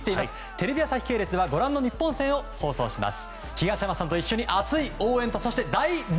テレビ朝日系列ではご覧の日本戦を放送します。